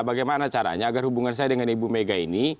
bagaimana caranya agar hubungan saya dengan ibu mega ini